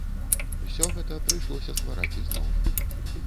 Усё гэта прыйшлося ствараць ізноў.